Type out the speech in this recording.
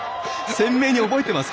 鮮明に覚えていますか？